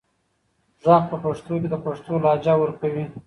غږ په پښتو کې د پښتو لهجه ورکوي.